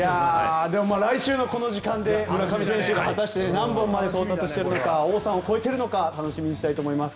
でも来週のこの時間で村上選手が何本まで到達しているのか王さんを超えているのか楽しみにしたいと思います。